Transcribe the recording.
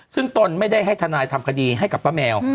ซึ่งตนไม่ได้ทนายทำดีสินต้นก็ให้กับป้าแมว